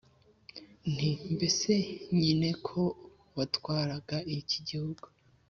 nti: “mbese nyine ko watwaraga iki gihugu